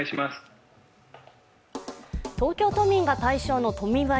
東京都民が対象の都民割